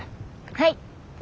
はい。